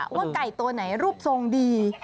ว่าไก่ตัวไหนรูปทรงดี